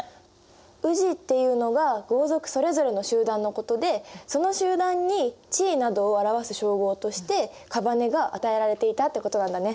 氏っていうのが豪族それぞれの集団のことでその集団に地位などを表す称号として姓が与えられていたってことなんだね。